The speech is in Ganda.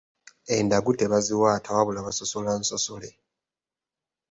Endaggu tebaziwaata wabula basosola nsosole.